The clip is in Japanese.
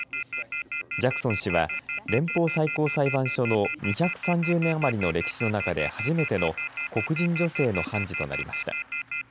ジャクソン氏は連邦最高裁判所の２３０年余りの歴史の中で初めての黒人女性の判事となりました。